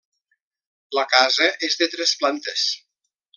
La casa és de tres plantes.